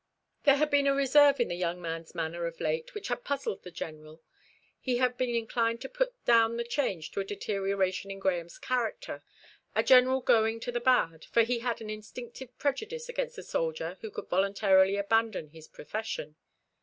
There had been a reserve in the young man's manner of late which had puzzled the General. He had been inclined to put down the change to a deterioration in Grahame's character, a gradual going to the bad, for he had an instinctive prejudice against a soldier who could voluntarily abandon his profession.